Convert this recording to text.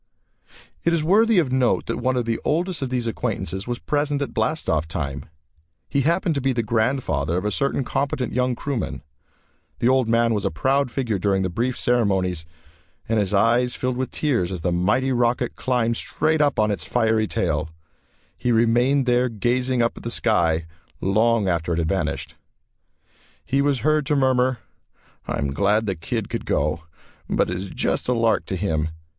It is worthy of note that one of the oldest of these acquaintances was present at blast off time. He happened to be the grandfather of a certain competent young crewman. The old man was a proud figure during the brief ceremonies and his eyes filled with tears as the mighty rocket climbed straight up on its fiery tail. He remained there gazing up at the sky long after it had vanished. He was heard to murmur, "I am glad the kid could go, but it is just a lark to him.